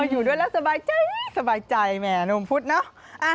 อยู่ด้วยแล้วสบายใจสบายใจแม่หนุ่มพุธเนอะ